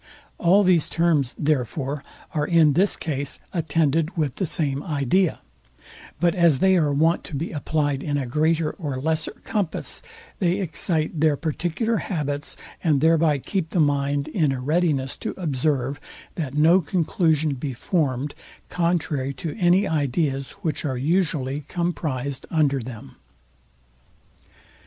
All these terms, therefore, are in this case attended with the same idea; but as they are wont to be applied in a greater or lesser compass, they excite their particular habits, and thereby keep the mind in a readiness to observe, that no conclusion be formed contrary to any ideas, which are usually comprized under them.